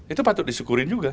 itu patut disyukurin juga